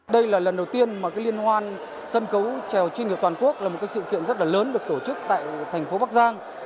đây là lần đầu tiên mà cái liên hoan sân khấu trèo trên đường toàn quốc là một sự kiện rất là lớn được tổ chức tại thành phố bắc giang